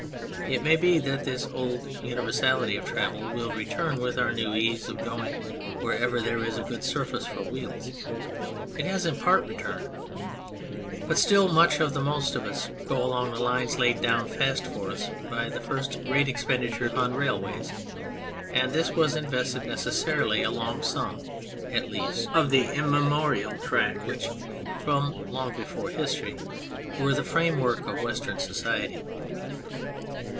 It may be that this old universality of travel will return with our new ease of going wherever there is a good surface for wheels it has in part returned but still much the most of us go along the lines laid down fast for us by the first great expenditure upon railways, and this was invested, necessarily, along some at least of the immemorial tracks which from long before history were the framework of Western society.